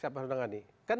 siapa yang harus menangani